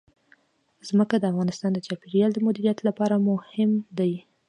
ځمکه د افغانستان د چاپیریال د مدیریت لپاره مهم دي.